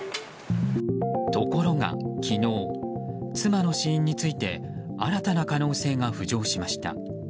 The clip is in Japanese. ところが、昨日妻の死因について新たな可能性が浮上しました。